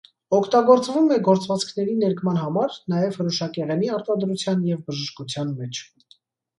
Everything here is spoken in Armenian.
Օգտագործվում է գործվածքների ներկման համար, նաև հրուշակեղենի արտադրության և բժշկության մեջ։